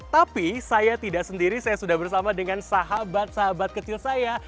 tapi saya tidak sendiri saya sudah bersama dengan sahabat sahabat kecil saya